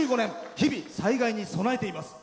日々災害に備えています。